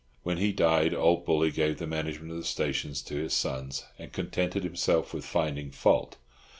When he died, old Bully gave the management of the stations to his sons, and contented himself with finding fault.